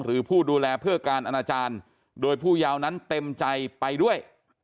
ผู้ดูแลเพื่อการอนาจารย์โดยผู้ยาวนั้นเต็มใจไปด้วย